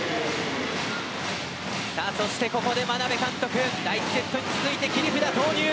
そしてここで眞鍋監督第１セットに続いて切り札投入。